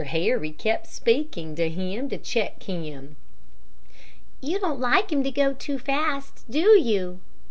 Harry kept speaking to him to check him. "You don't like him to go too fast, do you?"